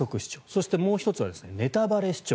そしてもう１つはネタバレ視聴。